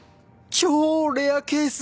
・「超レアケース！」